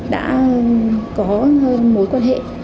đã có mối quan hệ